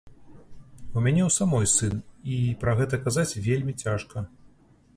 У мяне ў самой сын, і пра гэта казаць вельмі цяжка.